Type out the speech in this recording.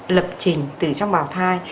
lập trình từ trong bò thai